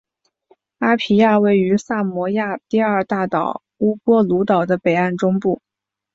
阿皮亚位于萨摩亚第二大岛乌波卢岛的北岸中部。